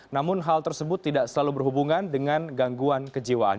namun hal tersebut tidak selalu berhubungan dengan gangguan kejiwaan